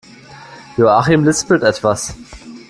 Joachim lispelt etwas.